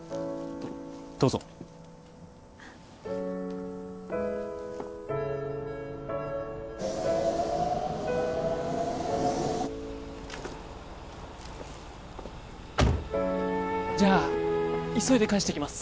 どうぞじゃあ急いで返してきます